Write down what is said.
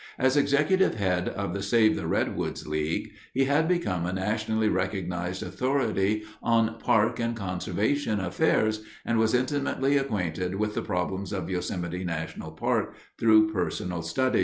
As executive head of the Save the Redwoods League, he had become a nationally recognized authority on park and conservation affairs and was intimately acquainted with the problems of Yosemite National Park through personal study.